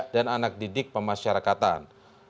dan anak didik pemasyarakatan